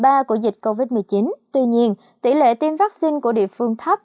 cấp độ ba của dịch covid một mươi chín tuy nhiên tỷ lệ tiêm vaccine của địa phương thấp